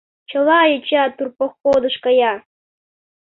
Чыла йоча турпоходыш кая!